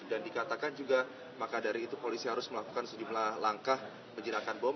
dan dikatakan juga maka dari itu polisi harus melakukan sejumlah langkah menjelangkan bom